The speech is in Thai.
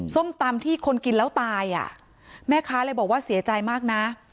ส้มตำที่คนกินแล้วตายอ่ะแม่ค้าเลยบอกว่าเสียใจมากนะ